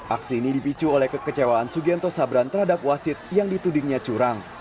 aksi ini dipicu oleh kekecewaan sugianto sabran terhadap wasit yang ditudingnya curang